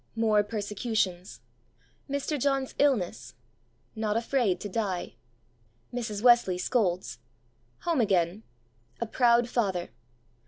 More persecutions. Mr. John's illness. Not afraid to die. Mrs. Wesley scolds. Home again. A proud father.